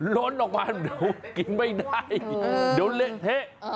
ล้นออกมาเดี๋ยวกินไม่ได้เดี๋ยวเละเทะ